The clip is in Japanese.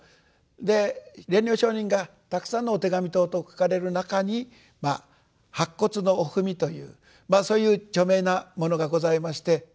で蓮如上人がたくさんのお手紙等々を書かれる中に「白骨の御文」というそういう著名なものがございまして。